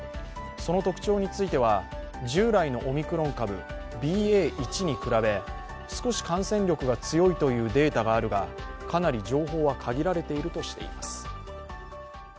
その特徴については、従来のオミクロン株ＢＡ．１に比べ、少し感染力が強いというデータがあるがかなり情報は限られているとしています。